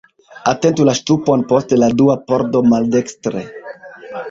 Atentu la ŝtupon post la dua pordo maldekstre.